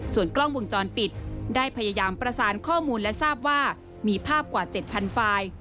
ส่วนกล้องวงจรปิดได้พยายามประสานข้อมูลและทราบว่ามีภาพกว่า๗๐๐ไฟล์